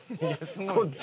こっちに。